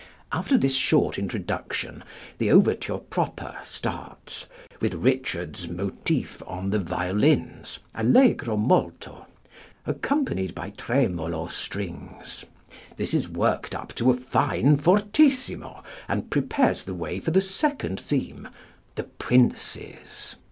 After this short introduction the overture proper starts, with Richard's motif on the violins, allegro molto, accompanied by tremolo strings. This is worked up to a fine fortissimo, and prepares the way for the second theme, "The Princes."